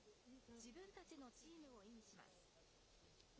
自分たちのチームを意味します。